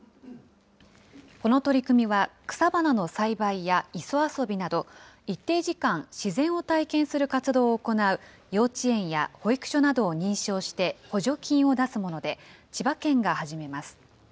この取り組みは、草花の栽培や磯遊びなど、一定時間、自然を体験する活動を行う幼稚園や保育所などを認証して補助金を出すもので、千葉県が始めます。